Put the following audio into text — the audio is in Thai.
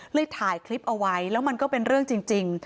ถ่ายคลิปเอาไว้แล้วมันก็เป็นเรื่องจริง